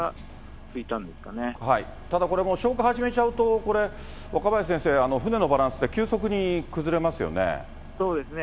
ただこれ、もう消火始めちゃうとこれ、若林先生、船のバランスが急速にだかそうですね。